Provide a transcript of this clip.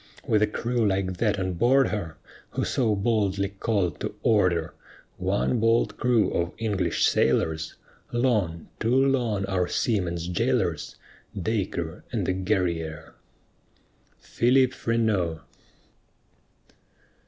With a crew like that on board her Who so boldly called "to order" One bold crew of English sailors, Long, too long our seamen's jailors, Dacre and the Guerrière! PHILIP FRENEAU.